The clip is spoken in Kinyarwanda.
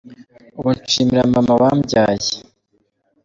ubu nshimira mama wambyaye.